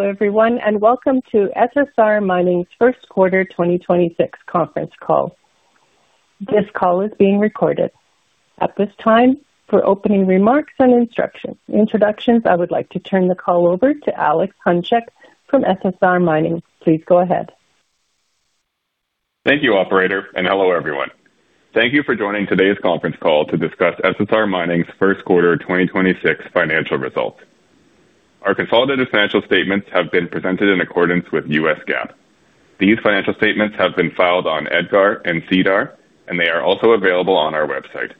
Hello everyone, and welcome to SSR Mining's 1st quarter 2026 conference call. This call is being recorded. At this time, for opening remarks and instructions, introductions, I would like to turn the call over to Alex Hunchak from SSR Mining. Please go ahead. Thank you, operator, hello everyone. Thank you for joining today's conference call to discuss SSR Mining's first quarter 2026 financial results. Our consolidated financial statements have been presented in accordance with U.S. GAAP. These financial statements have been filed on EDGAR and SEDAR, and they are also available on our website.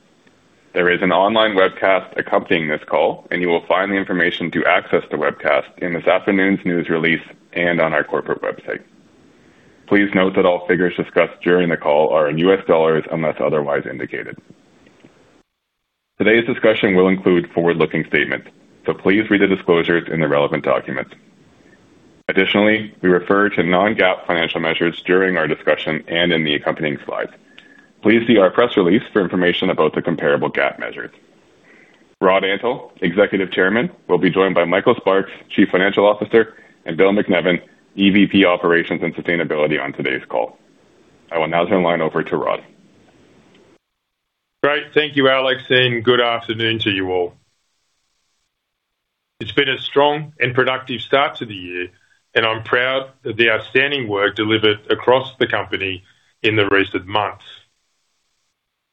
There is an online webcast accompanying this call, and you will find the information to access the webcast in this afternoon's news release and on our corporate website. Please note that all figures discussed during the call are in U.S. dollars, unless otherwise indicated. Today's discussion will include forward-looking statements, so please read the disclosures in the relevant documents. Additionally, we refer to non-GAAP financial measures during our discussion and in the accompanying slides. Please see our press release for information about the comparable GAAP measures. Rod Antal, Executive Chairman, will be joined by Michael Sparks, Chief Financial Officer, and Bill MacNevin, EVP, Operations and Sustainability on today's call. I will now turn the line over to Rod. Great. Thank you, Alex. Good afternoon to you all. It's been a strong and productive start to the year, and I'm proud of the outstanding work delivered across the company in the recent months.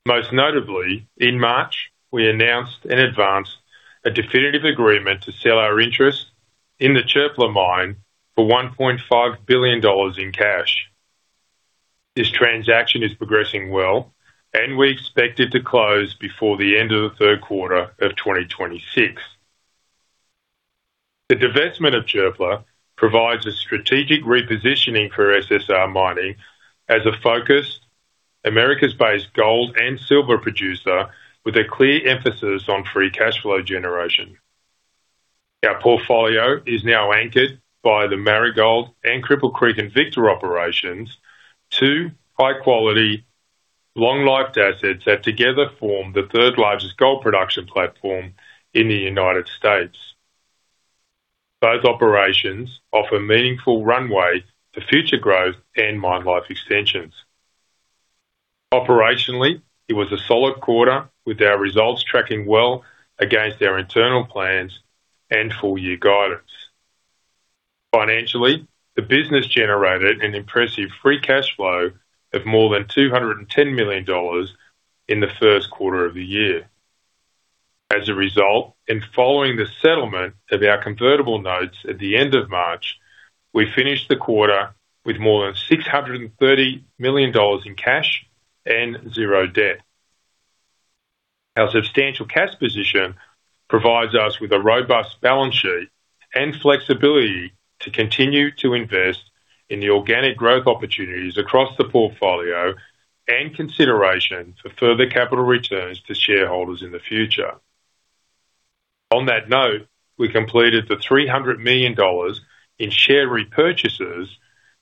Most notably, in March, we announced in advance a definitive agreement to sell our interest in the Çöpler mine for $1.5 billion in cash. This transaction is progressing well, and we expect it to close before the end of the third quarter of 2026. The divestment of Çöpler provides a strategic repositioning for SSR Mining as a focused Americas-based gold and silver producer with a clear emphasis on free cash flow generation. Our portfolio is now anchored by the Marigold and Cripple Creek & Victor operations, two high-quality, long-life assets that together form the third-largest gold production platform in the United States. Those operations offer meaningful runway to future growth and mine life extensions. Operationally, it was a solid quarter with our results tracking well against our internal plans and full year guidance. Financially, the business generated an impressive free cash flow of more than $210 million in the first quarter of the year. As a result, in following the settlement of our convertible notes at the end of March, we finished the quarter with more than $630 million in cash and zero debt. Our substantial cash position provides us with a robust balance sheet and flexibility to continue to invest in the organic growth opportunities across the portfolio and consideration for further capital returns to shareholders in the future. On that note, we completed the $300 million in share repurchases,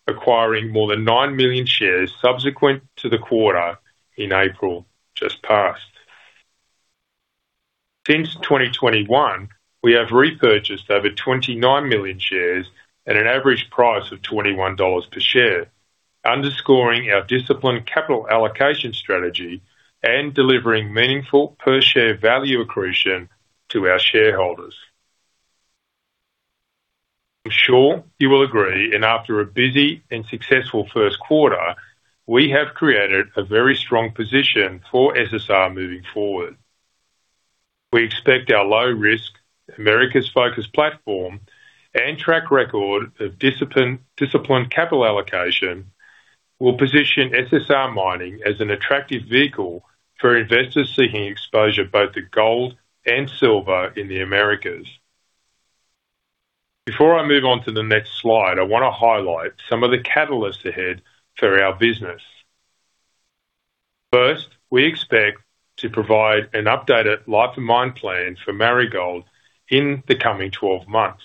acquiring more than 9 million shares subsequent to the quarter in April just past. Since 2021, we have repurchased over 29 million shares at an average price of $21 per share, underscoring our disciplined capital allocation strategy and delivering meaningful per share value accretion to our shareholders. I'm sure you will agree, and after a busy and successful first quarter, we have created a very strong position for SSR moving forward. We expect our low risk, Americas-focused platform and track record of discipline, capital allocation will position SSR Mining as an attractive vehicle for investors seeking exposure both to gold and silver in the Americas. Before I move on to the next slide, I wanna highlight some of the catalysts ahead for our business. First, we expect to provide an updated life of mine plan for Marigold in the coming 12 months,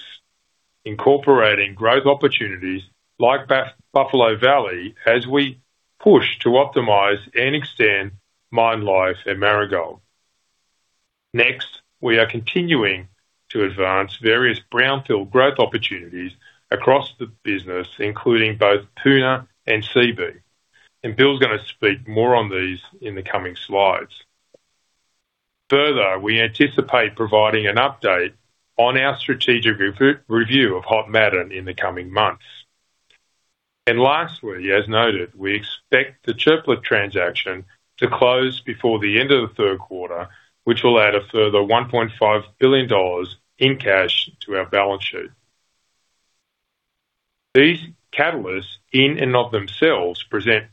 incorporating growth opportunities like Buffalo Valley as we push to optimize and extend mine life at Marigold. Next, we are continuing to advance various brownfield growth opportunities across the business, including both Puna and Seabee, and Bill's gonna speak more on these in the coming slides. Further, we anticipate providing an update on our strategic review of Hod Maden in the coming months. Lastly, as noted, we expect the Çöpler transaction to close before the end of the third quarter, which will add a further $1.5 billion in cash to our balance sheet. These catalysts, in and of themselves, present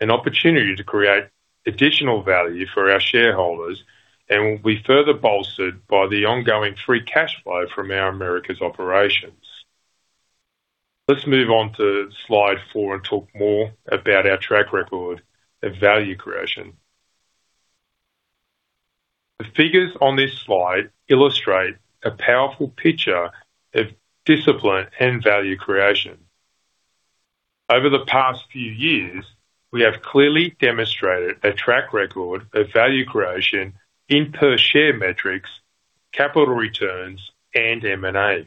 an opportunity to create additional value for our shareholders and will be further bolstered by the ongoing free cash flow from our Americas operations. Let's move on to slide 4 and talk more about our track record of value creation. The figures on this slide illustrate a powerful picture of discipline and value creation. Over the past few years, we have clearly demonstrated a track record of value creation in per share metrics, capital returns, and M&A.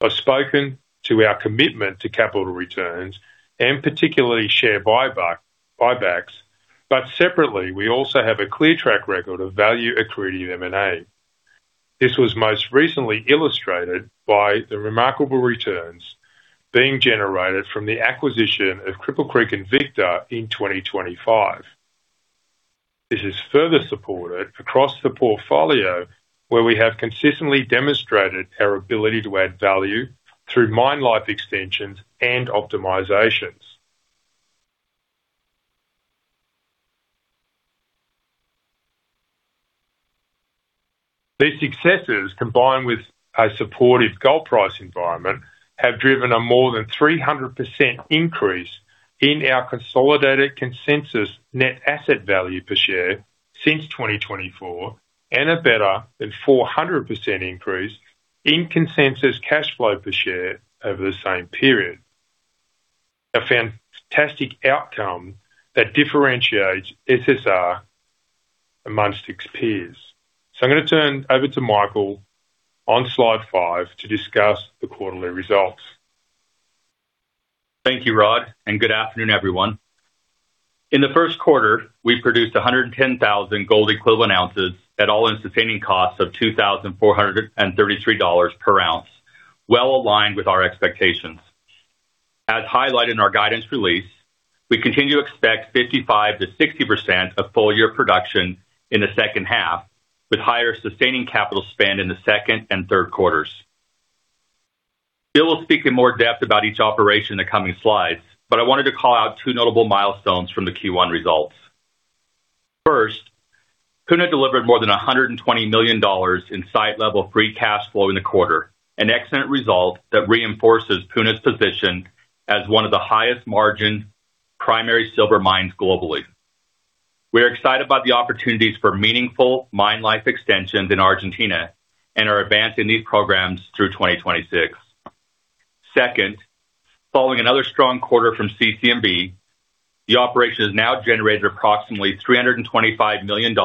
I've spoken to our commitment to capital returns and particularly share buybacks, but separately, we also have a clear track record of value-accretive M&A. This was most recently illustrated by the remarkable returns being generated from the acquisition of Cripple Creek & Victor in 2025. This is further supported across the portfolio, where we have consistently demonstrated our ability to add value through mine life extensions and optimizations. These successes, combined with a supportive gold price environment, have driven a more than 300% increase in our consolidated consensus net asset value per share since 2024 and a better than 400% increase in consensus cash flow per share over the same period. A fantastic outcome that differentiates SSR amongst its peers. I'm gonna turn over to Michael on slide 5 to discuss the quarterly results. Thank you, Rod, and good afternoon, everyone. In the first quarter, we produced 110,000 gold equivalent ounces at all-in sustaining costs of $2,433 per ounce, well aligned with our expectations. As highlighted in our guidance release, we continue to expect 55%-60% of full-year production in the second half, with higher sustaining capital spend in the second and third quarters. Bill will speak in more depth about each operation in the coming slides, but I wanted to call out two notable milestones from the Q1 results. First, Puna delivered more than $120 million in site-level free cash flow in the quarter, an excellent result that reinforces Puna's position as one of the highest margin primary silver mines globally. We are excited about the opportunities for meaningful mine life extensions in Argentina and are advancing these programs through 2026. Second, following another strong quarter from CC&V, the operation has now generated approximately $325 million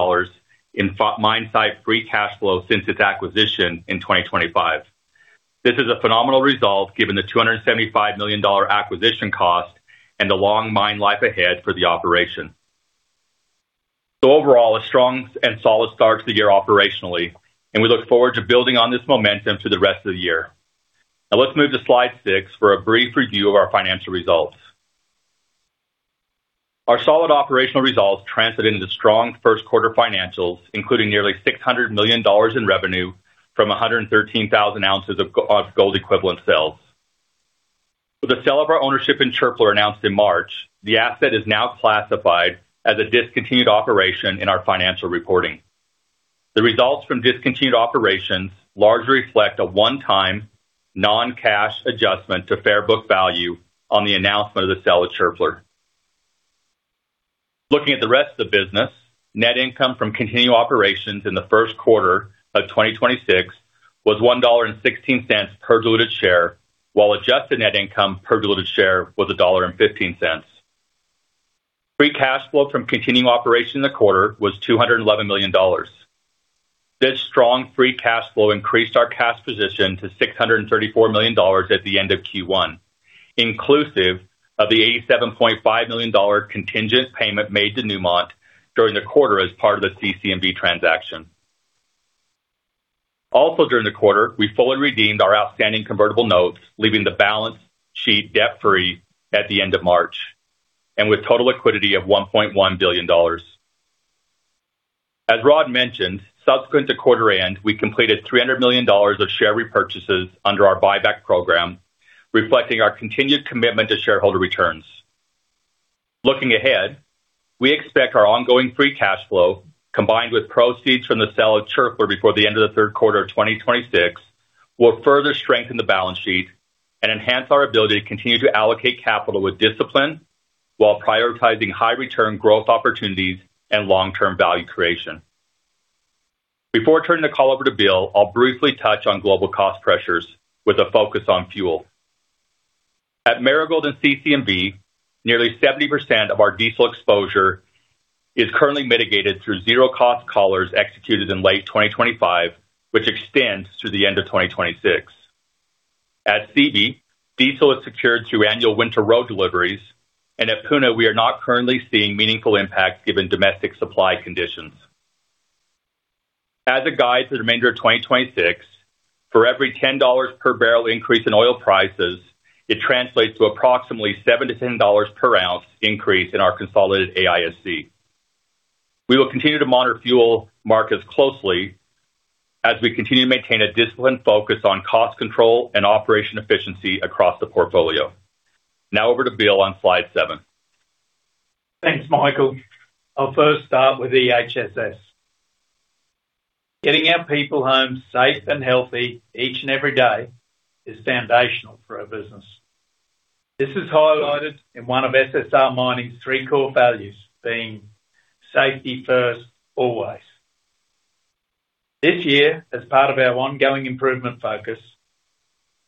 in mine site-free cash flow since its acquisition in 2025. This is a phenomenal result given the $275 million acquisition cost and the long mine life ahead for the operation. Overall, a strong and solid start to the year operationally, and we look forward to building on this momentum through the rest of the year. Let's move to slide 6 for a brief review of our financial results. Our solid operational results translate into strong first quarter financials, including nearly $600 million in revenue from 113,000 ounces of gold equivalent sales. With the sale of our ownership in Çöpler announced in March, the asset is now classified as a discontinued operation in our financial reporting. The results from discontinued operations largely reflect a one-time non-cash adjustment to fair book value on the announcement of the sale of Çöpler. Looking at the rest of the business, net income from continued operations in the first quarter of 2026 was $1.16 per diluted share, while adjusted net income per diluted share was $1.15. Free cash flow from continuing operations in the quarter was $211 million. This strong free cash flow increased our cash position to $634 million at the end of Q1, inclusive of the $87.5 million contingent payment made to Newmont during the quarter as part of the CC&V transaction. During the quarter, we fully redeemed our outstanding convertible notes, leaving the balance sheet debt-free at the end of March, and with total liquidity of $1.1 billion. As Rod mentioned, subsequent to quarter end, we completed $300 million of share repurchases under our buyback program, reflecting our continued commitment to shareholder returns. Looking ahead, we expect our ongoing free cash flow, combined with proceeds from the sale of Çöpler before the end of the third quarter of 2026, will further strengthen the balance sheet and enhance our ability to continue to allocate capital with discipline while prioritizing high return growth opportunities and long-term value creation. Before turning the call over to Bill, I'll briefly touch on global cost pressures with a focus on fuel. At Marigold and CC&V, nearly 70% of our diesel exposure is currently mitigated through zero cost collars executed in late 2025, which extends through the end of 2026. At Seabee, diesel is secured through annual winter road deliveries, and at Puna, we are not currently seeing meaningful impacts given domestic supply conditions. As a guide to the remainder of 2026, for every $10 per barrel increase in oil prices, it translates to approximately $7-$10 per ounce increase in our consolidated AISC. We will continue to monitor fuel markets closely as we continue to maintain a disciplined focus on cost control and operation efficiency across the portfolio. Now over to Bill on slide 7. Thanks, Michael. I'll first start with EHSS. Getting our people home safe and healthy each and every day is foundational for our business. This is highlighted in one of SSR Mining's three core values, being Safety First, Always. This year, as part of our ongoing improvement focus,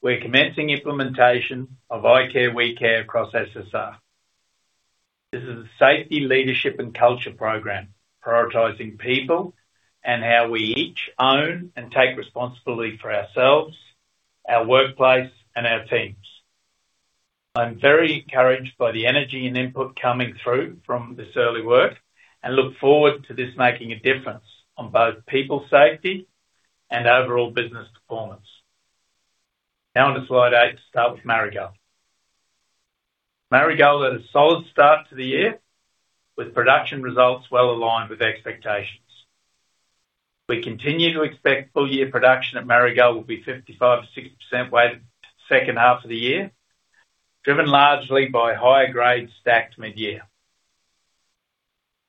we're commencing implementation of I Care, We Care across SSR. This is a safety leadership and culture program prioritizing people and how we each own and take responsibility for ourselves, our workplace, and our teams. I'm very encouraged by the energy and input coming through from this early work, and look forward to this making a difference on both people safety and overall business performance. On to slide 8 to start with Marigold. Marigold had a solid start to the year with production results well aligned with expectations. We continue to expect full-year production at Marigold will be 55%-60% weighted second half of the year, driven largely by higher grades stacked mid-year.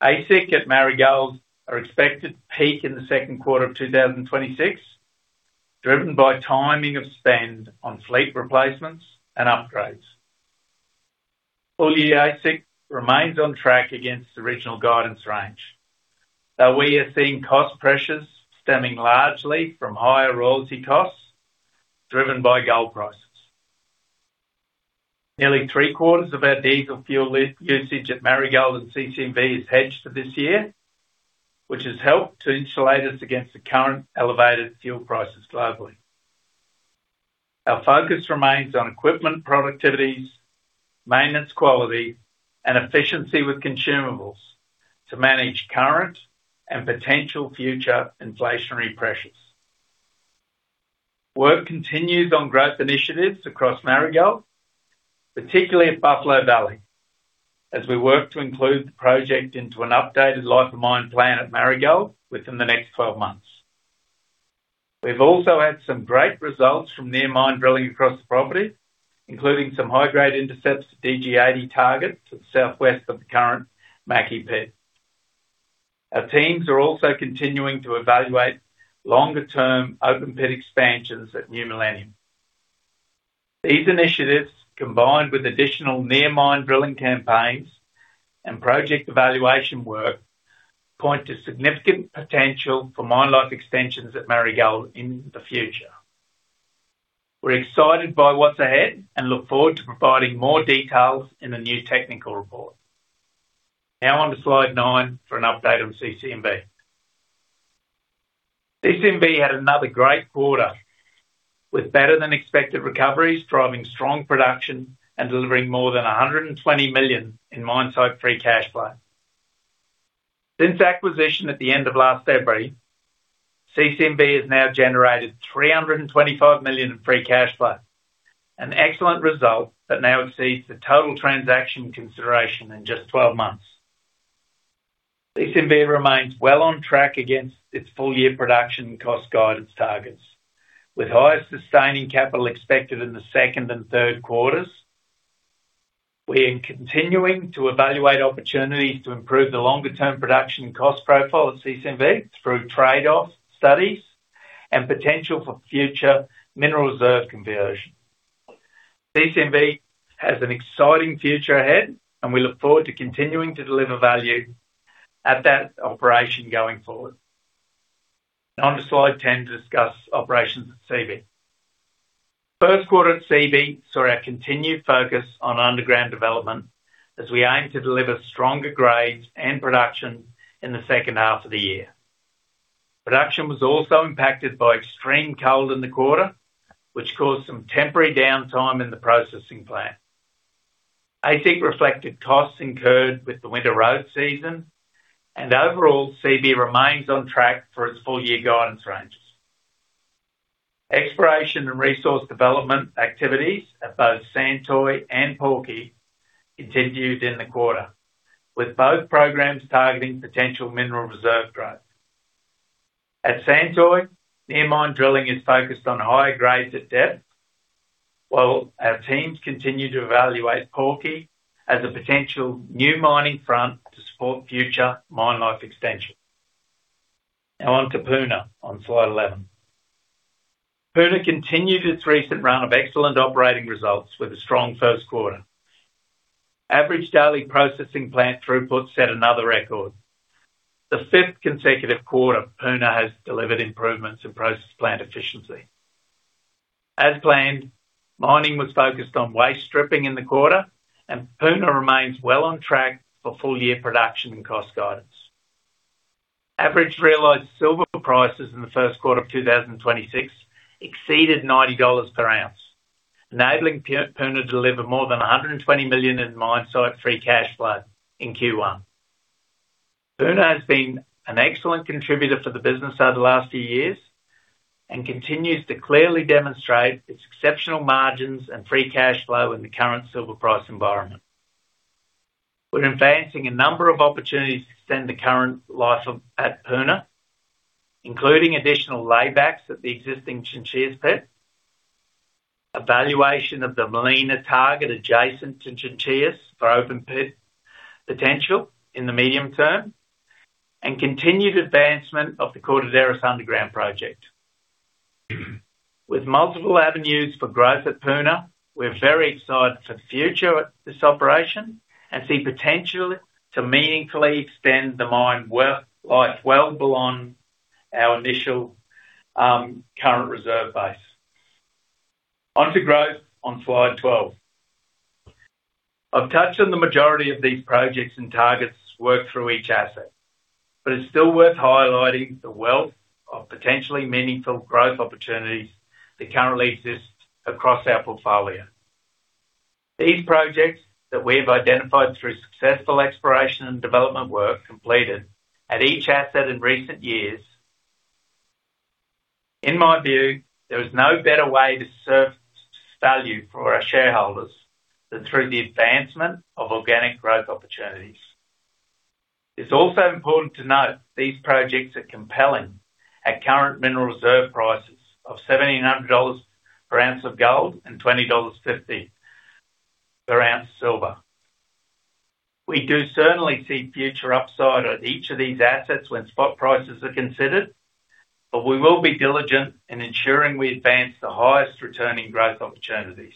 AISC at Marigold are expected to peak in the second quarter of 2026, driven by timing of spend on fleet replacements and upgrades. Full-year AISC remains on track against the original guidance range. We are seeing cost pressures stemming largely from higher royalty costs driven by gold prices. Nearly three-quarters of our diesel fuel usage at Marigold and CC&V is hedged for this year, which has helped to insulate us against the current elevated fuel prices globally. Our focus remains on equipment productivities, maintenance quality, and efficiency with consumables to manage current and potential future inflationary pressures. Work continues on growth initiatives across Marigold, particularly at Buffalo Valley, as we work to include the project into an updated life of mine plan at Marigold within the next 12 months. We've also had some great results from near mine drilling across the property, including some high-grade intercepts at DG 80 target to the southwest of the current Mackay it. Our teams are also continuing to evaluate longer-term open pit expansions at New Millennium. These initiatives, combined with additional near mine drilling campaigns and project evaluation work, point to significant potential for mine life extensions at Marigold in the future. We're excited by what's ahead and look forward to providing more details in the new technical report. On to slide 9 for an update on CC&V. CC&V had another great quarter with better than expected recoveries, driving strong production and delivering more than $120 million in mine site-free cash flow. Since acquisition at the end of last February, CC&V has now generated $325 million in free cash flow, an excellent result that now exceeds the total transaction consideration in just 12 months. CC&V remains well on track against its full-year production and cost guidance targets. With higher sustaining capital expected in the second and third quarters, we are continuing to evaluate opportunities to improve the longer-term production and cost profile at CC&V through trade-off studies and potential for future mineral reserve conversion. CC&V has an exciting future ahead, and we look forward to continuing to deliver value at that operation going forward. On to slide 10 to discuss operations at Seabee. First quarter at Seabee saw our continued focus on underground development as we aim to deliver stronger grades and production in the second half of the year. Production was also impacted by extreme cold in the quarter, which caused some temporary downtime in the processing plant. AISC reflected costs incurred with the winter road season. Overall, Seabee remains on track for its full-year guidance ranges. Exploration and resource development activities at both Santoy and Porky continued in the quarter, with both programs targeting potential mineral reserve growth. At Santoy, near mine drilling is focused on higher grades at depth, while our teams continue to evaluate Porky as a potential new mining front to support future mine life extension. Now on to Puna on slide 11. Puna continued its recent run of excellent operating results with a strong 1st quarter. Average daily processing plant throughput set another record. The 5th consecutive quarter Puna has delivered improvements in process plant efficiency. As planned, mining was focused on waste stripping in the quarter, and Puna remains well on track for full-year production and cost guidance. Average realized silver prices in the first quarter of 2026 exceeded $90 per ounce, enabling Puna to deliver more than $120 million in mine site free cash flow in Q1. Puna has been an excellent contributor for the business over the last few years and continues to clearly demonstrate its exceptional margins and free cash flow in the current silver price environment. We're advancing a number of opportunities to extend the current life of at Puna, including additional laybacks at the existing Chinchillas pit, evaluation of the Molina target adjacent to Chinchillas for open pit potential in the medium term, and continued advancement of the Cordilleras underground project. With multiple avenues for growth at Puna, we're very excited for the future at this operation and see potential to meaningfully extend the mine work life well beyond our initial current reserve base. Onto growth on slide 12. I've touched on the majority of these projects and targets worked through each asset, but it's still worth highlighting the wealth of potentially meaningful growth opportunities that currently exist across our portfolio. These projects that we've identified through successful exploration and development work completed at each asset in recent years. In my view, there is no better way to surface value for our shareholders than through the advancement of organic growth opportunities. It's also important to note these projects are compelling at current mineral reserve prices of $1,700 per ounce of gold and $20.50 per ounce silver. We do certainly see future upside on each of these assets when spot prices are considered, but we will be diligent in ensuring we advance the highest returning growth opportunities.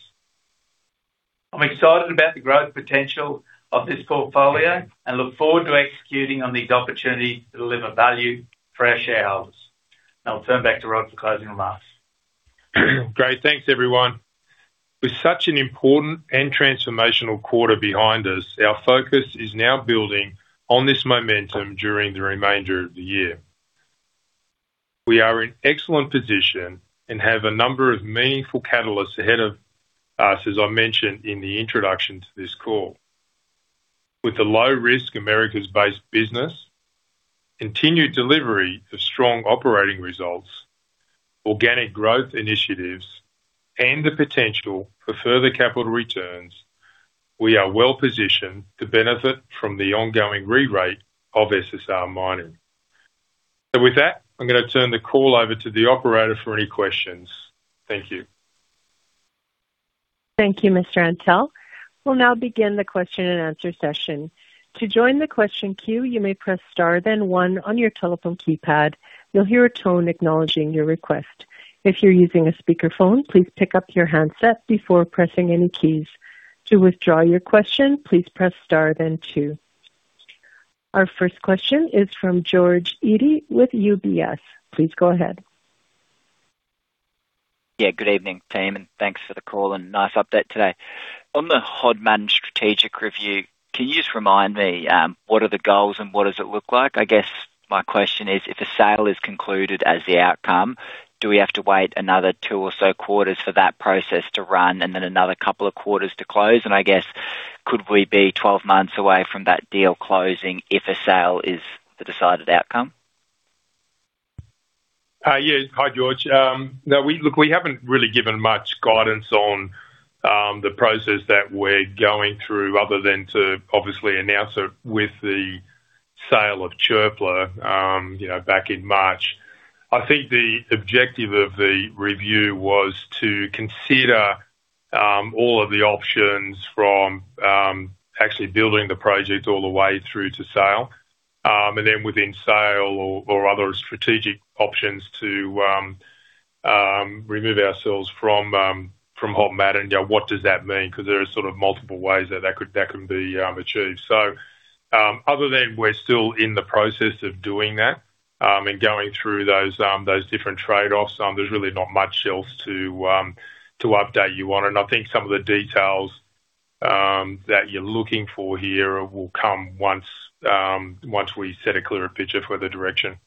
I'm excited about the growth potential of this portfolio and look forward to executing on these opportunities to deliver value for our shareholders. Now I'll turn back to Rod for closing remarks. Great. Thanks, everyone. With such an important and transformational quarter behind us, our focus is now building on this momentum during the remainder of the year. We are in excellent position and have a number of meaningful catalysts ahead of us, as I mentioned in the introduction to this call. With the low-risk Americas-based business, continued delivery of strong operating results, organic growth initiatives, and the potential for further capital returns, we are well positioned to benefit from the ongoing re-rate of SSR Mining. With that, I'm going to turn the call over to the operator for any questions. Thank you. Thank you, Mr. Antal. We'll now begin the question-and-answer session. To join the question queue, you may press star then 1 on your telephone keypad. You'll hear a tone acknowledging your request. If you're using a speakerphone, please pick up your handset before pressing any keys. To withdraw your question, please press star then 2. Our first question is from George Eadie with UBS. Please go ahead. Yeah, good evening, team, thanks for the call and nice update today. On the Hod Maden strategic review, can you just remind me, what are the goals and what does it look like? I guess my question is, if a sale is concluded as the outcome, do we have to wait another 2 or so quarters for that process to run and then another couple of quarters to close? I guess, could we be 12 months away from that deal closing if a sale is the decided outcome? Yes. Hi, George. No, look, we haven't really given much guidance on the process that we're going through other than to obviously announce it with the sale of Çöpler, you know, back in March. I think the objective of the review was to consider all of the options from actually building the project all the way through to sale. And then within sale or other strategic options to remove ourselves from Hod Maden. You know, what does that mean? Because there are sort of multiple ways that that can be achieved. Other than we're still in the process of doing that, and going through those different trade-offs, there's really not much else to update you on. I think some of the details that you're looking for here will come once we set a clearer picture for the direction.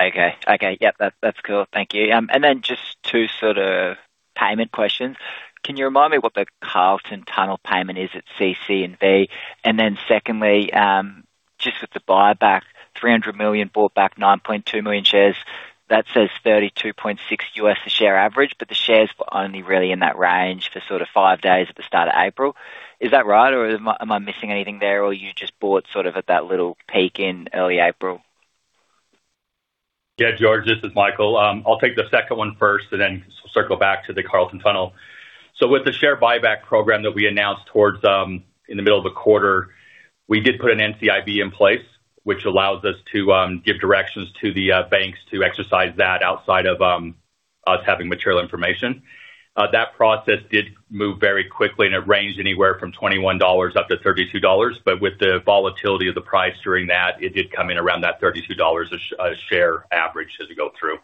Okay. Okay. Yep, that's cool. Thank you. Then just two sort of payment questions. Can you remind me what the Carlton Tunnel payment is at CC&V? Then secondly, just with the buyback, $300 million, bought back 9.2 million shares. That says $32.6 U.S. a share average, but the shares were only really in that range for sort of five days at the start of April. Is that right, or am I missing anything there? You just bought sort of at that little peak in early April? Yeah, George, this is Michael. I'll take the second one first and then circle back to the Carlton Tunnel. With the share buyback program that we announced towards in the middle of the quarter, we did put an NCIB in place, which allows us to give directions to the banks to exercise that outside of us having material information. That process did move very quickly, and it ranged anywhere from $21-$32. With the volatility of the price during that, it did come in around that $32 a share average as it go through.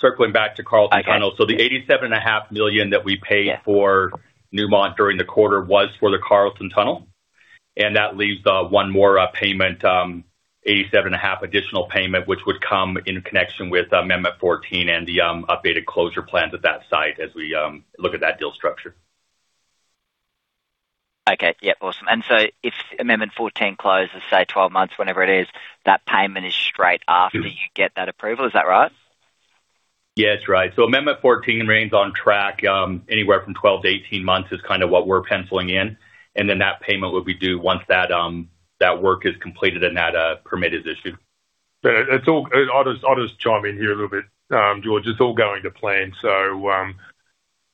Circling back to Carlton Tunnel. Okay. The $87.5 million that we paid for Newmont during the quarter was for the Carlton Tunnel. That leaves one more payment, $87.5 additional payment, which would come in connection with Amendment Fourteen and the updated closure plans at that site as we look at that deal structure. Okay. Yeah. Awesome. If Amendment Fourteen closes, say, 12 months, whenever it is, that payment is straight after you get that approval, is that right? Yeah, that's right. Amendment Fourteen remains on track, anywhere from 12-18 months is kinda what we're penciling in. Then that payment will be due once that work is completed and that permit is issued. It's all I'll just, I'll just chime in here a little bit. George, it's all going to plan.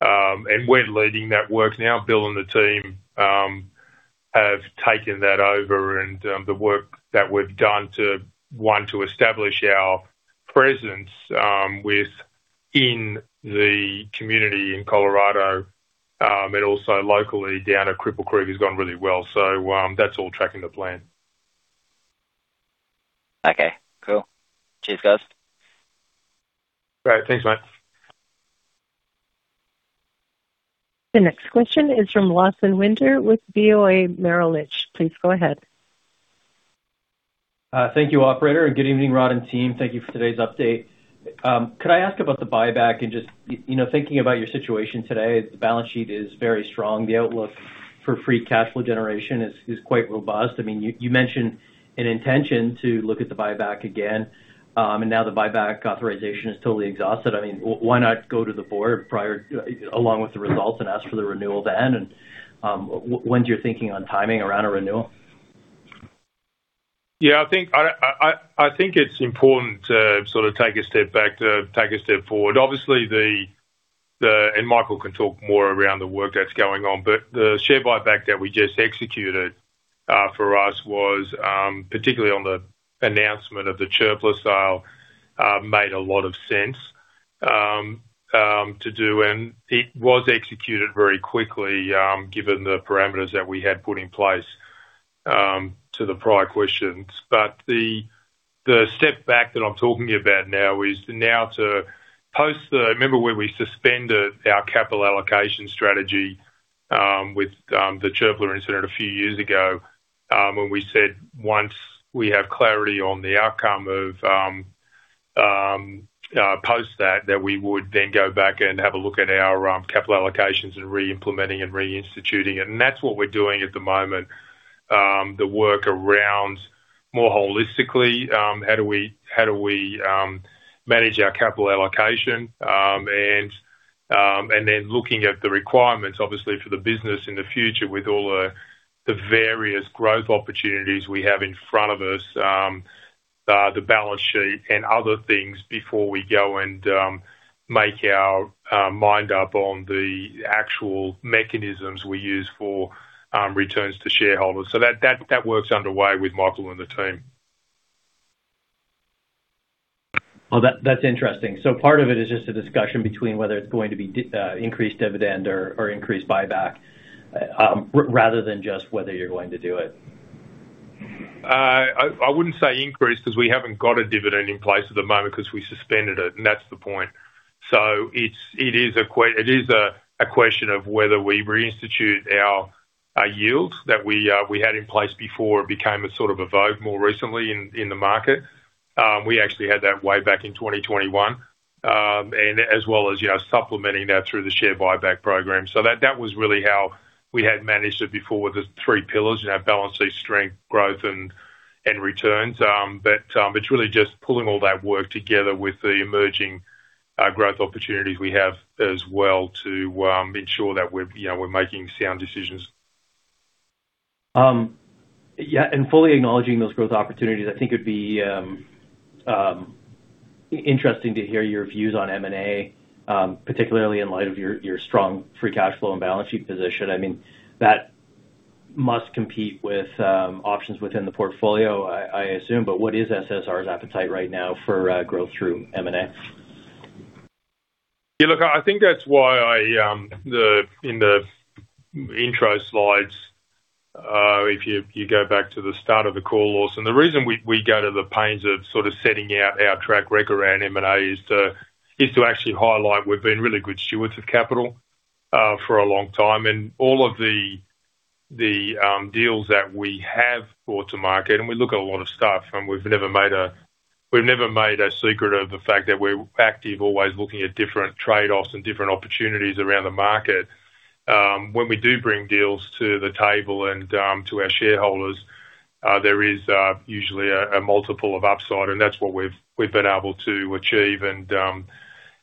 And we're leading that work now. Bill and the team have taken that over, and the work that we've done to establish our presence in the community in Colorado, and also locally down at Cripple Creek has gone really well. That's all tracking the plan. Okay, cool. Cheers, guys. Great. Thanks, mate. The next question is from Lawson Winder with BofA Merrill Lynch. Please go ahead. Thank you, operator. Good evening, Rod and team. Thank you for today's update. Could I ask about the buyback and just, you know, thinking about your situation today, the balance sheet is very strong. The outlook for free cash flow generation is quite robust. I mean, you mentioned an intention to look at the buyback again, and now the buyback authorization is totally exhausted. I mean, why not go to the board prior, along with the results, and ask for the renewal then? When do you thinking on timing around a renewal? Yeah, I think it's important to sort of take a step back to take a step forward. Obviously, and Michael can talk more around the work that's going on, but the share buyback that we just executed for us was particularly on the announcement of the Çöpler sale made a lot of sense to do. It was executed very quickly given the parameters that we had put in place to the prior questions. The step back that I'm talking about now is now to remember where we suspended our capital allocation strategy with the Çöpler incident a few years ago, when we said once we have clarity on the outcome of post that we would then go back and have a look at our capital allocations and re-implementing and reinstituting it. That's what we're doing at the moment. The work around more holistically, how do we manage our capital allocation? And then looking at the requirements, obviously, for the business in the future with all the various growth opportunities we have in front of us, the balance sheet and other things before we go and make our mind up on the actual mechanisms we use for returns to shareholders. That work's underway with Michael and the team. Well, that's interesting. Part of it is just a discussion between whether it's going to be increased dividend or increased buyback, rather than just whether you're going to do it. I wouldn't say increase because we haven't got a dividend in place at the moment because we suspended it, and that's the point. It is a question of whether we reinstitute our yields that we had in place before it became a sort of a vogue more recently in the market. We actually had that way back in 2021, and as well as, you know, supplementing that through the share buyback program. That was really how we had managed it before, the three pillars, you know, balance sheet strength, growth and returns. It's really just pulling all that work together with the emerging growth opportunities we have as well to ensure that we're, you know, we're making sound decisions. Fully acknowledging those growth opportunities, I think it'd be interesting to hear your views on M&A, particularly in light of your strong free cash flow and balance sheet position. I mean, that must compete with options within the portfolio, I assume. What is SSR's appetite right now for growth through M&A? Yeah, look, I think that's why I, in the intro slides, if you go back to the start of the call, Lawson, the reason we go to the pains of sort of setting out our track record around M&A is to actually highlight we've been really good stewards of capital for a long time. All of the deals that we have brought to market, and we look at a lot of stuff, and we've never made a secret of the fact that we're active, always looking at different trade-offs and different opportunities around the market. When we do bring deals to the table and to our shareholders, there is usually a multiple of upside, and that's what we've been able to achieve.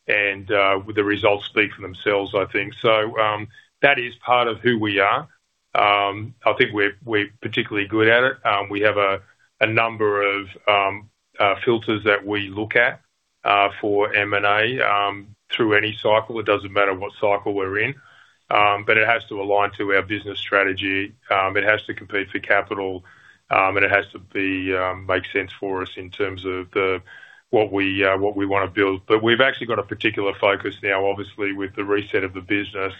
The results speak for themselves, I think. That is part of who we are. I think we're particularly good at it. We have a number of filters that we look at for M&A through any cycle. It doesn't matter what cycle we're in. It has to align to our business strategy. It has to compete for capital, and it has to make sense for us in terms of what we wanna build. We've actually got a particular focus now, obviously, with the reset of the business,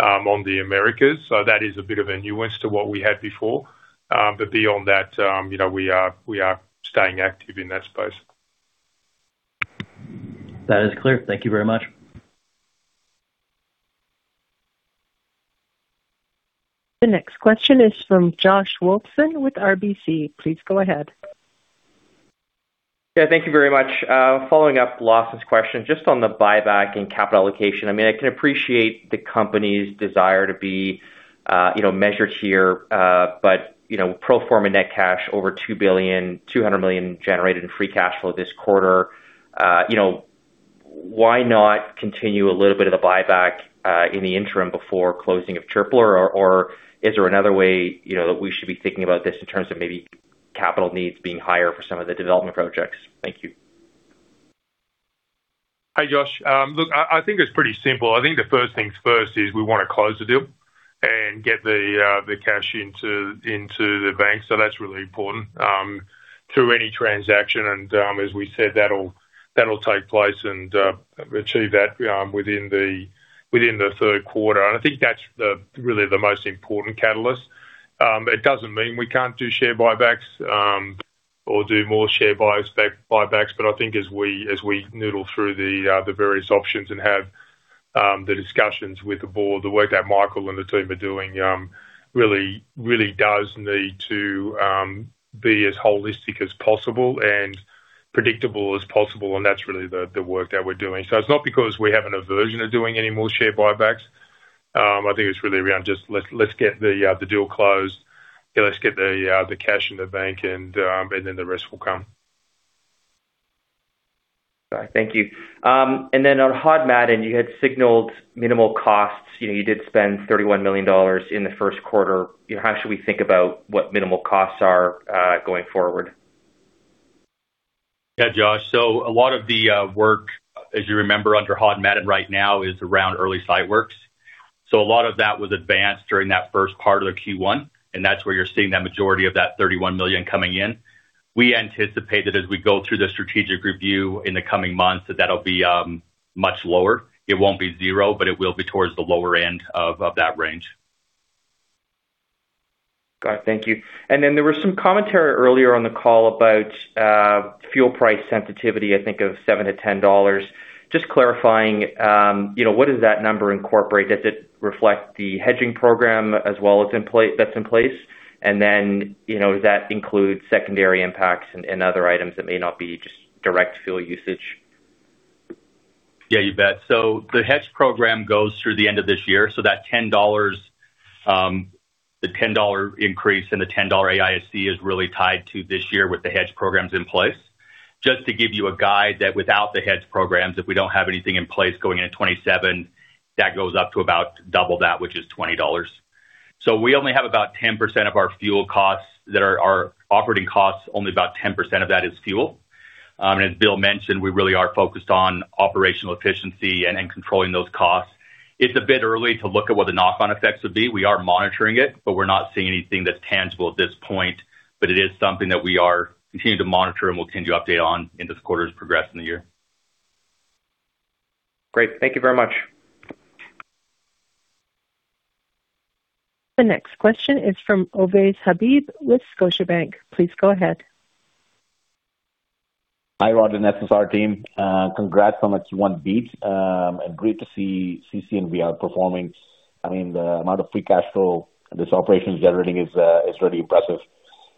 on the Americas. That is a bit of a nuance to what we had before. Beyond that, you know, we are staying active in that space. That is clear. Thank you very much. The next question is from Josh Wolfson with RBC. Please go ahead. Yeah, thank you very much. Following up Lawson's question, just on the buyback and capital allocation. I mean, I can appreciate the company's desire to be, you know, measured here, but, you know, pro forma net cash over $2 billion, $200 million generated in free cash flow this quarter. You know, why not continue a little bit of the buyback in the interim before closing of Çöpler or is there another way, you know, that we should be thinking about this in terms of maybe capital needs being higher for some of the development projects. Thank you. Hi, Josh. Look, I think it's pretty simple. I think the first things first is we want to close the deal and get the cash into the bank. That's really important to any transaction and as we said, that'll take place and achieve that within the third quarter. I think that's really the most important catalyst. It doesn't mean we can't do share buybacks or do more share buybacks, but I think as we noodle through the various options and have the discussions with the board, the work that Michael and the team are doing really does need to be as holistic as possible and predictable as possible, and that's really the work that we're doing. It's not because we have an aversion of doing any more share buybacks. I think it's really around just let's get the deal closed. Let's get the cash in the bank and then the rest will come. All right. Thank you. On Hod Maden, you had signaled minimal costs. You know, you did spend $31 million in the first quarter. You know, how should we think about what minimal costs are going forward? Yeah, Josh. A lot of the work, as you remember under Hod Maden right now, is around early site works. A lot of that was advanced during that first part of the Q1, and that's where you're seeing the majority of that $31 million coming in. We anticipate that as we go through the strategic review in the coming months, that that'll be much lower. It won't be zero, it will be towards the lower end of that range. Got it. Thank you. There was some commentary earlier on the call about fuel price sensitivity, I think of $7-$10. Just clarifying, you know, what does that number incorporate? Does it reflect the hedging program that's in place? Then, you know, does that include secondary impacts and other items that may not be just direct fuel usage? Yeah, you bet. The hedge program goes through the end of this year. That $10, the $10 increase and the $10 AISC is really tied to this year with the hedge programs in place. Just to give you a guide that without the hedge programs, if we don't have anything in place going into 2027, that goes up to about double that, which is $20. We only have about 10% of our fuel costs that are our operating costs. Only about 10% of that is fuel. And as Bill mentioned, we really are focused on operational efficiency and controlling those costs. It's a bit early to look at what the knock-on effects would be. We are monitoring it, but we're not seeing anything that's tangible at this point. It is something that we are continuing to monitor and will continue to update on in this quarter's progress in the year. Great. Thank you very much. The next question is from Ovais Habib with Scotiabank. Please go ahead. Hi, Rod and SSR team. Congrats on that Q1 beat, and great to see CC&V outperforming. I mean, the amount of free cash flow this operation is generating is really impressive.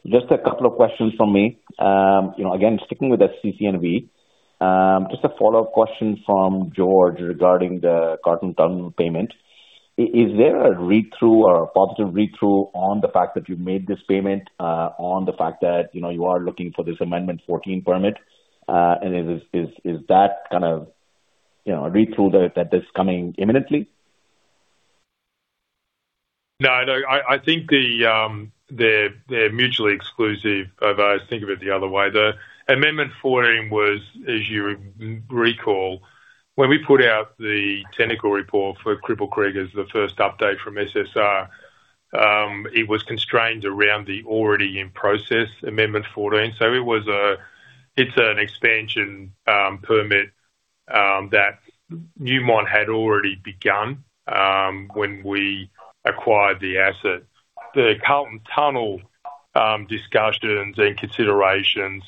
Just 2 questions from me. You know, again, sticking with that CC&V, just a follow-up question from George regarding the Carlton Tunnel payment. Is there a read-through or a positive read-through on the fact that you made this payment, on the fact that, you know, you are looking for this Amendment Fourteen permit? Is that kind of, you know, a read-through that is coming imminently? No. I think the, they're mutually exclusive. Think of it the other way, the Amendment Fourteen was, as you recall, when we put out the technical report for Cripple Creek as the first update from SSR, it was constrained around the already in process Amendment Fourteen. It was, it's an expansion permit that Newmont had already begun when we acquired the asset. The Carlton Tunnel discussions and considerations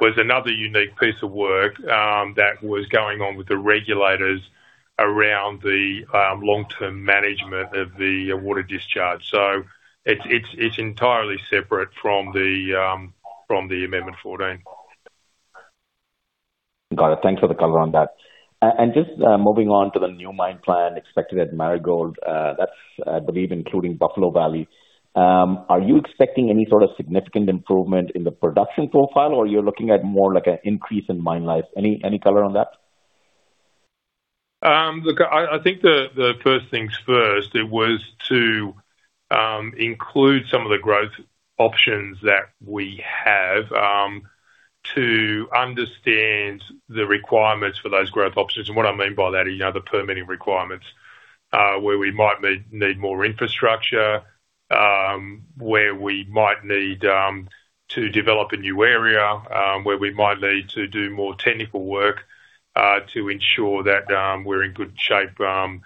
was another unique piece of work that was going on with the regulators around the long-term management of the water discharge. It's entirely separate from the Amendment Fourteen. Got it. Thanks for the color on that. Just moving on to the new mine plan expected at Marigold, that's, I believe including Buffalo Valley. Are you expecting any sort of significant improvement in the production profile, or you're looking at more like an increase in mine life? Any color on that? Look, I think the first things first, it was to include some of the growth options that we have, to understand the requirements for those growth options. What I mean by that is, you know, the permitting requirements, where we might need more infrastructure, where we might need to develop a new area, where we might need to do more technical work, to ensure that we're in good shape for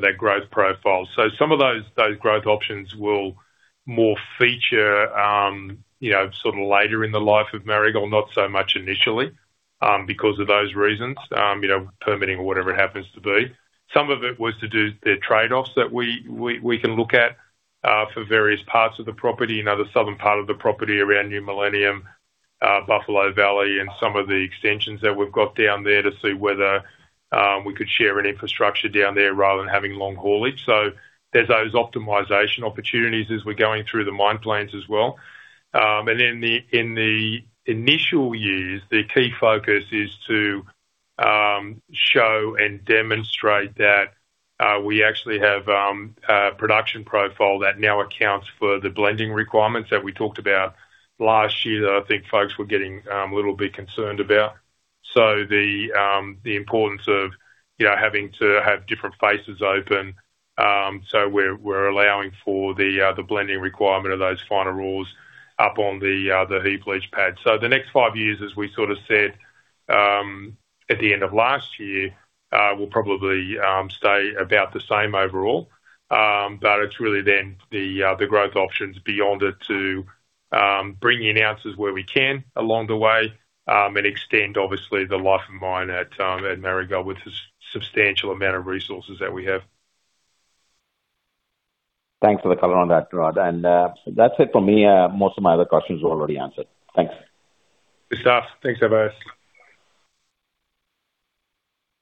that growth profile. Some of those growth options will more feature, you know, sort of later in the life of Marigold, not so much initially, because of those reasons, you know, permitting or whatever it happens to be. Some of it was to do the trade-offs that we can look at for various parts of the property, you know, the southern part of the property around New Millennium, Buffalo Valley, and some of the extensions that we've got down there to see whether we could share an infrastructure down there rather than having long haulage. There's those optimization opportunities as we're going through the mine plans as well. In the, in the initial years, the key focus is show and demonstrate that we actually have a production profile that now accounts for the blending requirements that we talked about last year, that I think folks were getting a little bit concerned about. The importance of, you know, having to have different faces open, so we're allowing for the blending requirement of those finer rules up on the heap leach pad. The next 5 years, as we sort of said, at the end of last year, will probably stay about the same overall. It's really then the growth options beyond it to bring in ounces where we can along the way, and extend obviously the life of mine at Marigold with the substantial amount of resources that we have. Thanks for the color on that, Rod Antal. That's it for me. Most of my other questions were already answered. Thanks. Good stuff. Thanks, Ovais.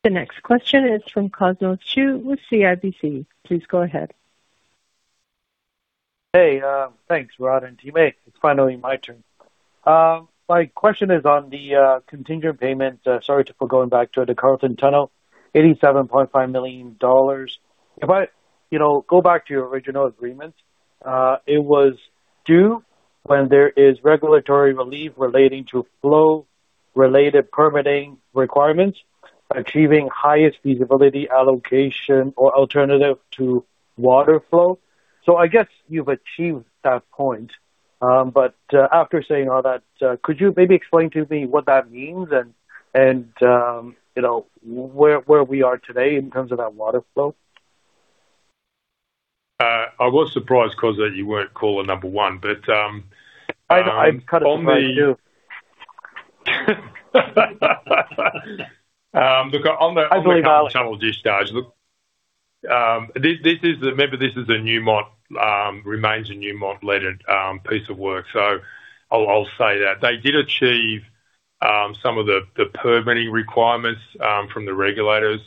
The next question is from Cosmos Chiu with CIBC. Please go ahead. Hey, thanks, Rod and team. It's finally my turn. My question is on the contingent payment. Sorry for going back to the Carlton Tunnel, $87.5 million. If I, you know, go back to your original agreement, it was due when there is regulatory relief relating to flow-related permitting requirements, achieving highest feasibility allocation or alternative to water flow. I guess you've achieved that point. After saying all that, could you maybe explain to me what that means and, you know, where we are today in terms of that water flow? I was surprised, Cosmos, that you weren't caller number 1. I'm kind of surprised too. look, I believe. On the tunnel discharge. Look, this is the, remember, this is a Newmont, remains a Newmont-led piece of work. I'll say that. They did achieve some of the permitting requirements from the regulators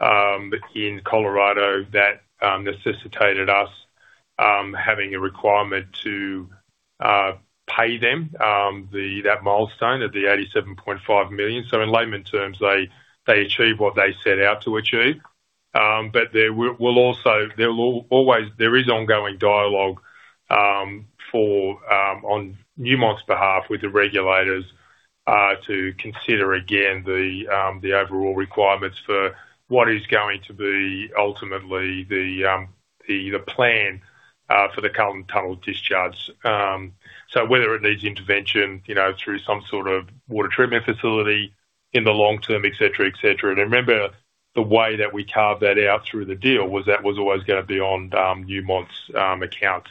in Colorado that necessitated us having a requirement to pay them the that milestone at the $87.5 million. In layman terms, they achieved what they set out to achieve. There will also, there will always, there is ongoing dialogue for on Newmont's behalf with the regulators to consider, again, the overall requirements for what is going to be ultimately the plan for the Carlton Tunnel discharge. Whether it needs intervention, you know, through some sort of water treatment facility in the long term, et cetera, et cetera. Remember, the way that we carved that out through the deal was that was always gonna be on Newmont's account.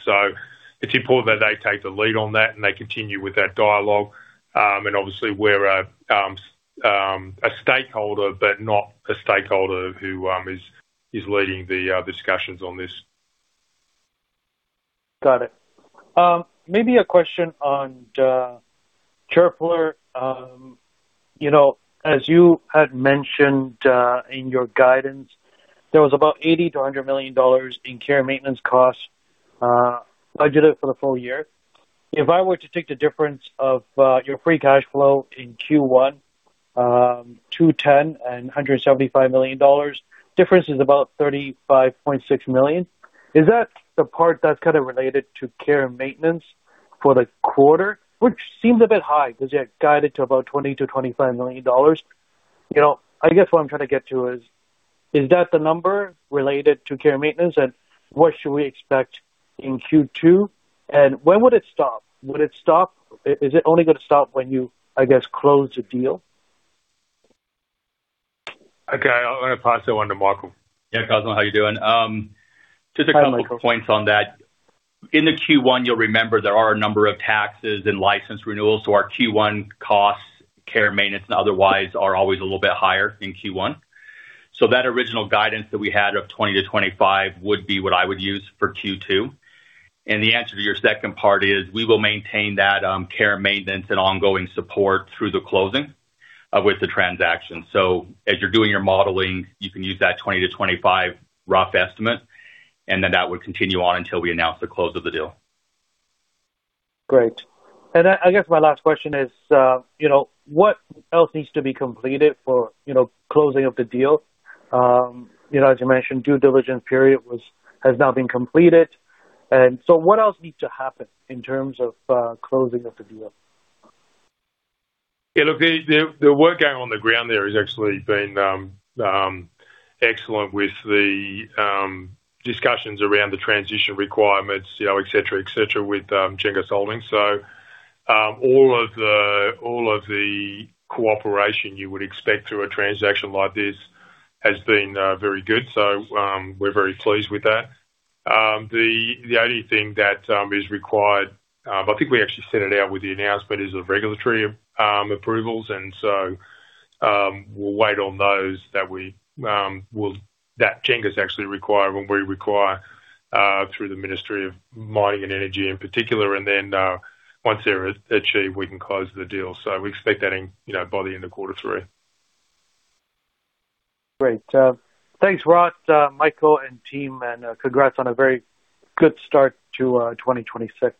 It's important that they take the lead on that, and they continue with that dialogue. Obviously we're a stakeholder, but not a stakeholder who is leading the discussions on this. Got it. Maybe a question on Çöpler. As you had mentioned, in your guidance, there was about $80 million-$100 million in care and maintenance costs budgeted for the full year. If I were to take the difference of your free cash flow in Q1, $210 million and $175 million, the difference is about $35.6 million. Is that the part that's kinda related to care and maintenance for the quarter? Which seems a bit high because you had guided to about $20 million-$25 million. I guess what I'm trying to get to is that the number related to care and maintenance, and what should we expect in Q2? When would it stop? Is it only gonna stop when you, I guess, close the deal? Okay. I'm gonna pass that one to Michael. Yeah. Cosmos, how you doing? Just a couple of points on that. Hi, Michael. In the Q1, you'll remember there are a number of taxes and license renewals. Our Q1 costs, care and maintenance and otherwise are always a little bit higher in Q1. That original guidance that we had of 20 to 25 would be what I would use for Q2. The answer to your second part is we will maintain that care and maintenance and ongoing support through the closing with the transaction. As you're doing your modeling, you can use that 20 to 25 rough estimate, and then that would continue on until we announce the close of the deal. Great. I guess my last question is, you know, what else needs to be completed for, you know, closing of the deal? You know, as you mentioned, due diligence period has now been completed. What else needs to happen in terms of closing of the deal? Yeah, look, the work going on the ground there has actually been excellent with the discussions around the transition requirements, you know, et cetera, et cetera, with Cengiz Holding. All of the cooperation you would expect through a transaction like this has been very good. We're very pleased with that. The only thing that is required, I think we actually sent it out with the announcement, is the regulatory approvals. We'll wait on those that we will that Cengiz actually require and we require through the Ministry of Mining and Energy in particular. Once they're achieved, we can close the deal. We expect that in, you know, by the end of Q3. Great. Thanks, Rod, Michael and team, and congrats on a very good start to 2026.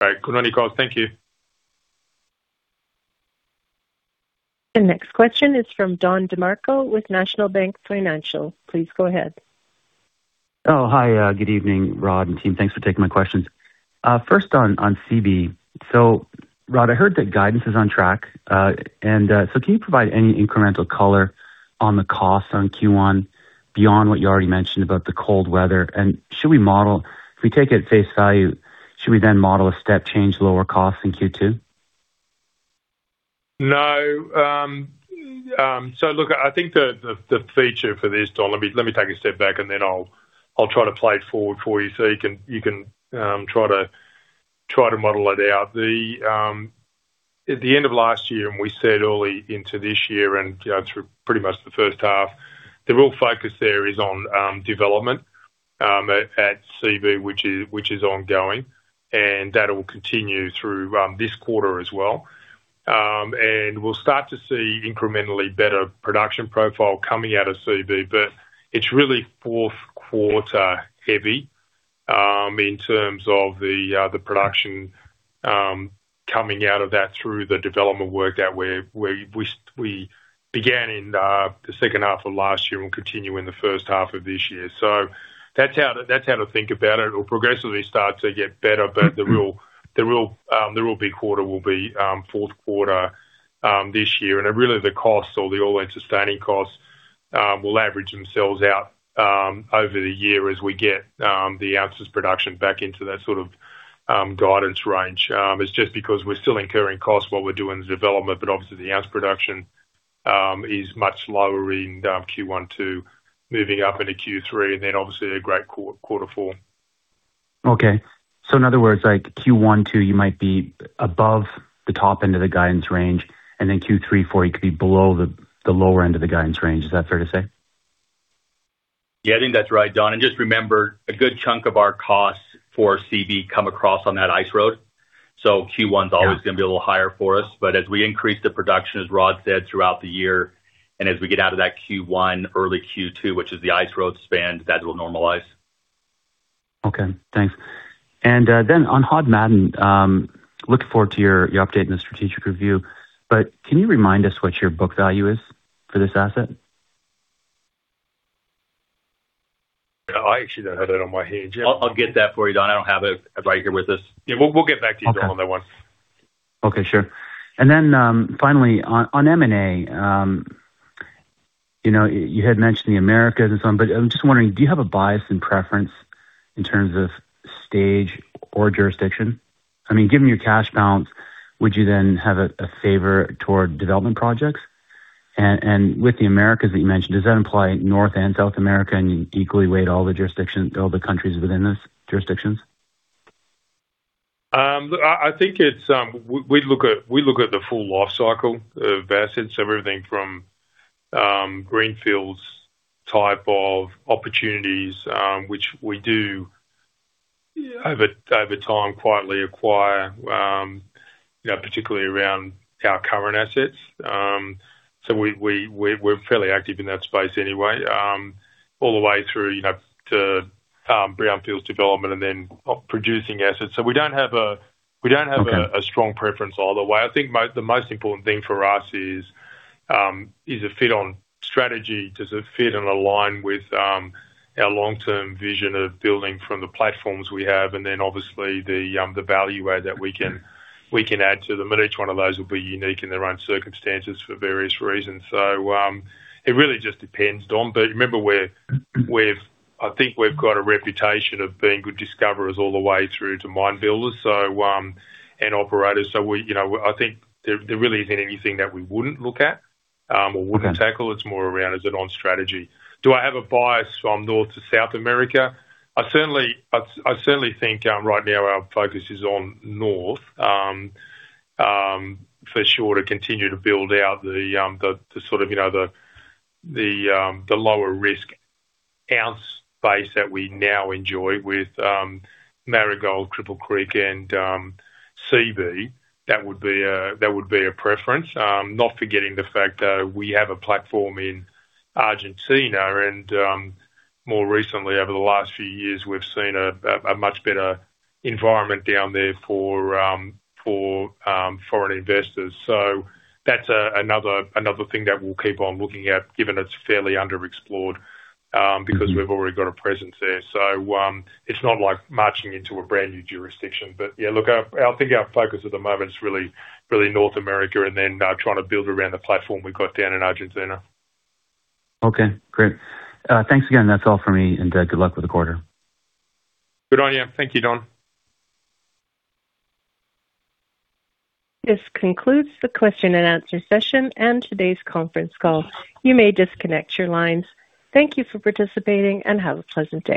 All right. Good on you, Cosmos Chiu. Thank you. The next question is from Don DeMarco with National Bank Financial. Please go ahead. Hi. Good evening, Rod and team. Thanks for taking my questions. First on Seabee. Rod, I heard that guidance is on track. Can you provide any incremental color on the costs on Q1 beyond what you already mentioned about the cold weather? If we take it at face value, should we then model a step change lower cost in Q2? No. Look, I think the feature for this, Don, let me take a step back and then I'll try to play it forward for you so you can try to model it out. At the end of last year, and we said early into this year and, you know, through pretty much the first half, the real focus there is on development at Seabee, which is ongoing. That will continue through this quarter as well. We'll start to see incrementally better production profile coming out of Seabee, but it's really fourth quarter heavy in terms of the production coming out of that through the development work that we began in the second half of last year and will continue in the first half of this year. That's how to think about it. It will progressively start to get better, the real big quarter will be fourth quarter this year. Really the costs or the all-in sustaining costs will average themselves out over the year as we get the ounces production back into that sort of guidance range. It's just because we're still incurring costs while we're doing the development, but obviously the ounce production is much lower in Q1 2, moving up into Q3, and then obviously a great quarter four. Okay. In other words, like Q1, 2, you might be above the top end of the guidance range, and then Q3, 4, you could be below the lower end of the guidance range. Is that fair to say? Yeah, I think that is right, Don. Just remember, a good chunk of our costs for Seabee come across on that ice road. Yeah. always going to be a little higher for us. As we increase the production, as Rod said, throughout the year, and as we get out of that Q1, early Q2, which is the ice road span, that will normalize. Okay, thanks. Then on Hod Maden, looking forward to your update in the strategic review. Can you remind us what your book value is for this asset? I actually don't have that on my hand, yeah. I'll get that for you, Don. I don't have it right here with us. Yeah, We'll get back to you, Don, on that one. Okay, sure. Finally on M&A, you know, you had mentioned the Americas and so on, but I'm just wondering, do you have a bias and preference in terms of stage or jurisdiction? I mean, given your cash balance, would you then have a favor toward development projects? With the Americas that you mentioned, does that imply North and South America, and you equally weight all the jurisdictions, all the countries within those jurisdictions? I think it's, we look at the full life cycle of assets, everything from greenfields type of opportunities, which we do over time, quietly acquire, you know, particularly around our current assets, all the way through, you know, to brownfields development and then producing assets. We're fairly active in that space anyway. Okay. We don't have a strong preference all the way. I think the most important thing for us is it fit on strategy? Does it fit and align with our long-term vision of building from the platforms we have? Obviously the value add that we can add to them. Each one of those will be unique in their own circumstances for various reasons. It really just depends, Don. Remember I think we've got a reputation of being good discoverers all the way through to mine builders, so, and operators. We, you know, I think there really isn't anything that we wouldn't look at or wouldn't tackle. It's more around is it on strategy. Do I have a bias from North to South America? I certainly think, right now our focus is on North, for sure to continue to build out the sort of, you know, the lower risk ounce base that we now enjoy with Marigold, Cripple Creek & Victor and Seabee. That would be a preference. Not forgetting the fact, we have a platform in Argentina and more recently over the last few years, we've seen a much better environment down there for foreign investors. That's another thing that we'll keep on looking at, given it's fairly underexplored, because we've already got a presence there. It's not like marching into a brand-new jurisdiction. Yeah, look, I think our focus at the moment is really North America and then, trying to build around the platform we've got down in Argentina. Okay, great. Thanks again. That's all for me, and good luck with the quarter. Good on you. Thank you, Don. This concludes the question and answer session and today's conference call. You may disconnect your lines. Thank you for participating and have a pleasant day.